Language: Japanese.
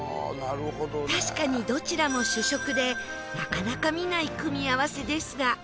確かにどちらも主食でなかなか見ない組み合わせですが